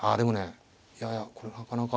いやいやこれなかなか。